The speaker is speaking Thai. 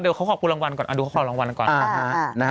เดี๋ยวเขาขอบคุณรางวัลก่อนดูเขาขอรางวัลกันก่อน